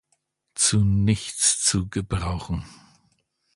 Zu nichts zu gebrauchen.